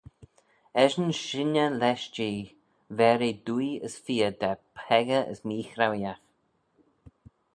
Eshyn shinney lesh Jee, ver eh dwoaie as feoh da peccah as meechraueeaght.